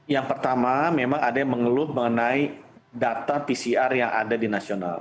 yang pertama memang ada yang mengeluh mengenai data pcr yang ada di nasional